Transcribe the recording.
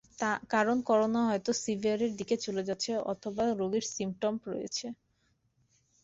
কারণ করোনা হয়তো সিভিআরের দিকে চলে যাচ্ছে অথবা রোগীর সিমটম রয়েছে।